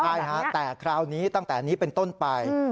ใช่ฮะแต่คราวนี้ตั้งแต่นี้เป็นต้นไป